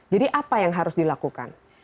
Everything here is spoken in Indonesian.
jadi apa yang harus dilakukan